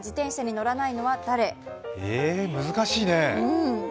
難しいね。